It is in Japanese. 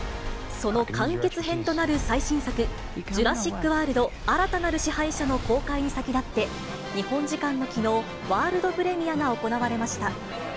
その完結編となる最新作、ジュラシック・ワールド新たなる支配者の公開に先立って、日本時間のきのう、ワールドプレミアが行われました。